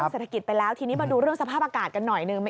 เศรษฐกิจไปแล้วทีนี้มาดูเรื่องสภาพอากาศกันหน่อยหนึ่ง